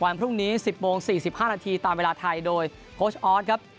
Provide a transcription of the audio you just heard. วันพรุ่งนี้๑๐โมง๔๕นาทีตามเวลาไทยโดยโค้ชออสครับ